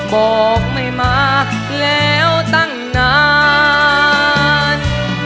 บอกไม่มาแล้วตั้งนาน